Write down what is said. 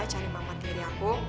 cari mama tiri aku